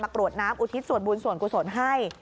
กรวดน้ำอุทิศส่วนบุญส่วนกุศลให้